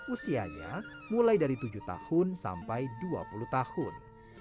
usianya mulai dari tujuh tahun sampai dua puluh tahun